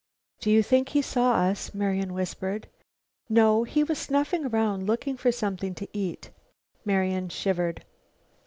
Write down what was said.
"Do you think he saw us?" Marian whispered. "No. He was snuffing around looking for something to eat." Marian shivered.